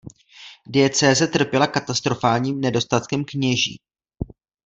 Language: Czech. Diecéze trpěla katastrofálním nedostatkem kněží.